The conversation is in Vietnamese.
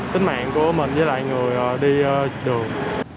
tính mạng của mình với lại người đi đường